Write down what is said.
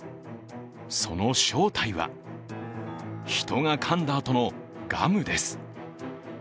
その正体は人がかんだあとのガムです。